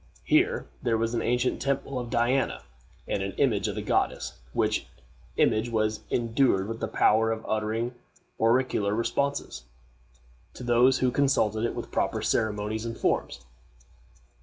Here there was an ancient temple of Diana, and an image of the goddess, which image was endued with the power of uttering oracular responses to those who consulted it with proper ceremonies and forms.